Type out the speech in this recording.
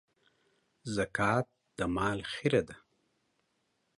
زکات د مال خيره ده.